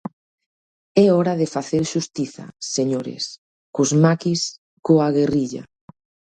É hora de facer xustiza, señores, cos maquis, coa guerrilla.